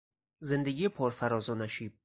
زندگی پرفراز و نشیب